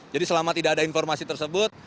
jadi selama tidak ada informasi terkait